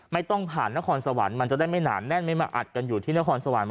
ไม่ต้องผ่านนครสวรรค์มันจะได้ไม่หนาแน่นไม่มาอัดกันอยู่ที่นครสวรรค